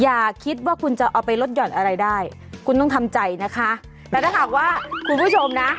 อย่าคิดว่าคุณจะเอาไปลดห่อนอะไรได้คุณต้องทำใจนะคะแต่ถ้าหากว่าคุณผู้ชมนะ